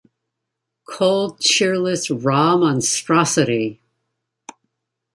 Cold, cheerless, raw monstrosity!